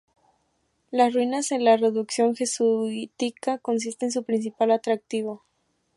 Las ruinas de la reducción jesuítica consisten su principal atractivo.